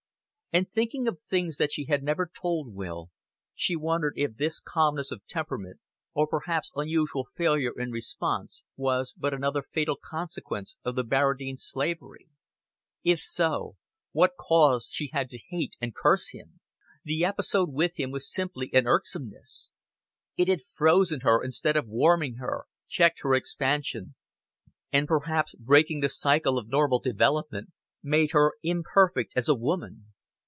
And thinking of things that she had never told Will, she wondered if this calmness of temperament, or perhaps unusual failure in response, was but another fatal consequence of the Barradine slavery. If so, what cause she had to hate and curse him! The episode with him was simply an irksomeness: it had frozen her instead of warming her, checked her expansion, and perhaps, breaking the cycle of normal development, made her imperfect as a woman.